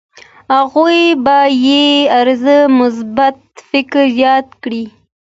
هغوی به يې راز مثبت فکر ياد کړي.